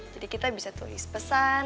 jadi kita bisa tulis pesan